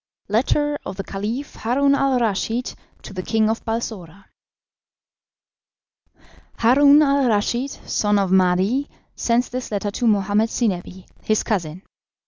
"Letter of the Caliph Haroun al Raschid to the King of Balsora. "Haroun al Raschid, son of Mahdi, sends this letter to Mohammed Zinebi, his cousin.